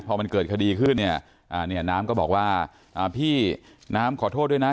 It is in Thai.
พอมันเกิดคดีขึ้นเนี่ยอ่าเนี่ยน้ำก็บอกว่าอ่าพี่น้ำขอโทษด้วยนะ